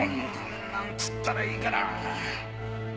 なんつったらいいかな。